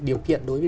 điều kiện đối với